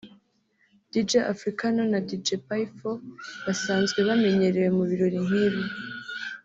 Dj Africano na Dj Pyfo basanzwe bamenyerewe mu birori nk’ibi